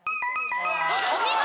お見事！